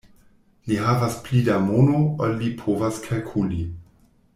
Li havas pli da mono, ol li povas kalkuli.